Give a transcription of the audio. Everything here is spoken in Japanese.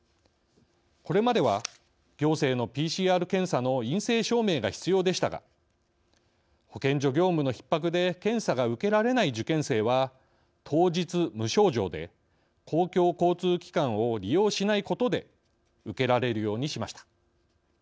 これまでは行政のＰＣＲ検査の陰性証明が必要でしたが保健所業務のひっ迫で検査が受けられない受験生は当日、無症状で公共交通機関を利用しないことで受けられるようにしました。